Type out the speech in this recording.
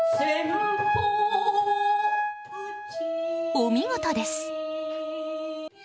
お見事です！